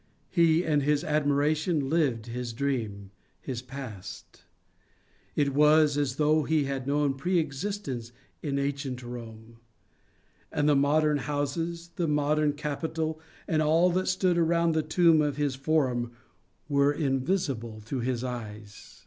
He, in his admiration, lived his dream, his past. It was as though he had known preexistence in ancient Rome; and the modern houses, the modern Capitol and all that stood around the tomb of his Forum were invisible to his eyes.